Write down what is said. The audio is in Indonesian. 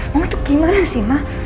mama tuh gimana sih ma